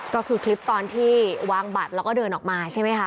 ก็คือคลิปตอนที่วางบัตรแล้วก็เดินออกมาใช่ไหมคะ